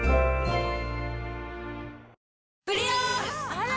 あら！